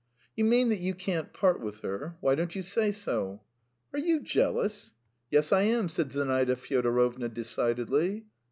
"You mean that you can't part with her? ... Why don't you say so?" "Are you jealous?" "Yes, I am," said Zinaida Fyodorovna, decidedly.